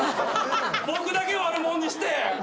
僕だけ悪者にして。